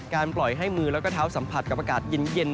ปล่อยให้มือแล้วก็เท้าสัมผัสกับอากาศเย็น